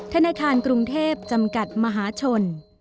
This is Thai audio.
ธนาคารกรุงเทพจำกัดมหาชน